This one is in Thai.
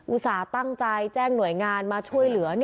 อุตส่าห์ตั้งใจแจ้งหน่วยงานมาช่วยเหลือ